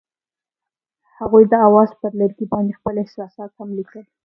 هغوی د اواز پر لرګي باندې خپل احساسات هم لیکل.